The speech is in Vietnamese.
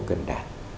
yêu cầu cần đạt